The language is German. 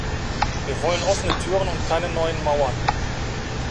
Wir wollen offene Türen und keine neuen Mauern.